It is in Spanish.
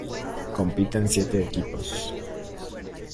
Compiten siete equipos.